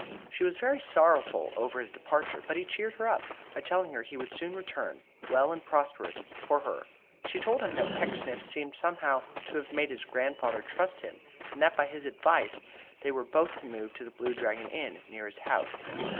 She was very sorrowful over his departure, but he cheered her by telling her he would soon return, well and prosperous, for her. She told him that Pecksniff seemed somehow to have made his grandfather trust him, and that by his advice they were both to move to The Blue Dragon Inn, near his house.